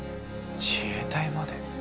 自衛隊まで？